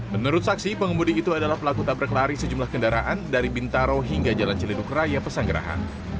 menurut saksi pengemudi itu adalah pelaku tabrak lari sejumlah kendaraan dari bintaro hingga jalan cilinduk raya pesanggerahan